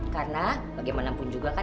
karena bagaimanapun juga kan